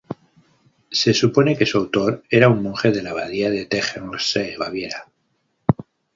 Se supone que su autor era un monje de la abadía de Tegernsee, Baviera.